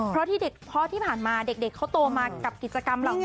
เพราะที่พ่อผ่านมาเด็กเขาโตมากับกิจกรรมเหล่านี้